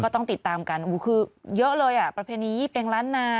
ก็ต้องติดตามกันอู๋คือเยอะเลยอ่ะประเภทนี้๒๐แปงล้านนา